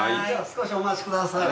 少しお待ちください。